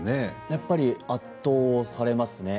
やっぱり圧倒されますね。